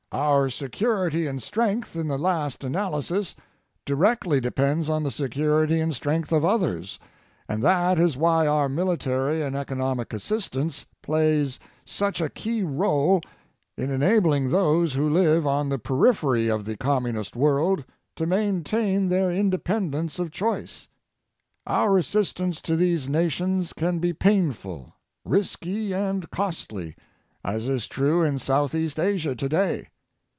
Our security and strength, in the last analysis, directly depend on the security and strength of others, and that is why our military and economic assistance plays such a key role in enabling those who live on the periphery of the Communist world to maintain their independence of choice. Our assistance to these nations can be painful, risky and costly, as is true in Southeast Asia today.